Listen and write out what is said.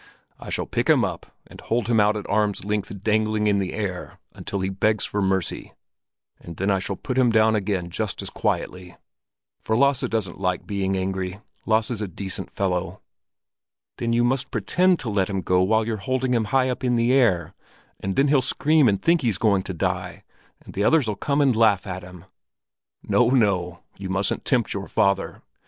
I shall pick him up and hold him out at arm's length dangling in the air until he begs for mercy; and then I shall put him down again just as quietly. For Lasse doesn't like being angry. Lasse's a decent fellow." "Then you must pretend to let him go while you're holding him high up in the air; and then he'll scream and think he's going to die, and the others'll come and laugh at him." "No, no; you mustn't tempt your father!